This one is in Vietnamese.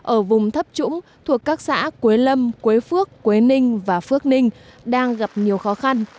ở vùng thấp trũng thuộc các xã quế lâm quế phước quế ninh và phước ninh đang gặp nhiều khó khăn